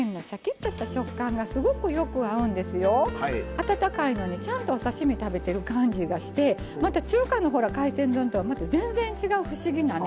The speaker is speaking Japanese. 温かいのにちゃんとお刺身食べてる感じがしてまた中華の海鮮丼とはまた全然違う不思議なね。